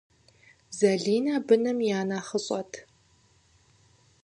Залинэ быным я нэхъыщӏэт.